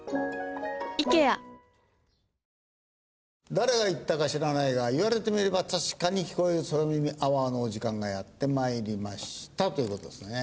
誰が言ったか知らないが言われてみれば確かに聞こえる空耳アワーのお時間がやってまいりましたという事ですね。